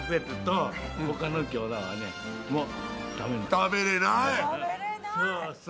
食べられない。